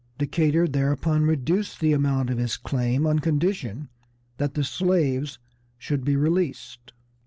Decatur thereupon reduced the amount of his claim on condition that the slaves should be released.